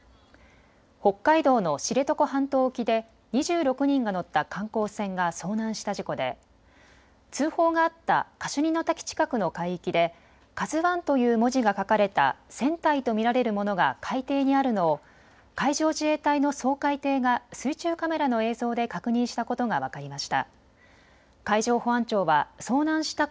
北海道の知床半島沖で２６人が乗った観光船が遭難した事故で通報があったカシュニの滝近くの海域でＫＡＺＵＩという文字が書かれた船体と見られるものが海底にあるのを海上自衛隊の掃海艇が水中カメラの映像で確認したことが分かりました。